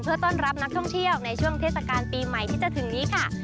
เพื่อต้อนรับนักท่องเที่ยวในช่วงเทศกาลปีใหม่ที่จะถึงนี้ค่ะ